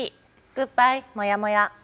グッバイもやもや。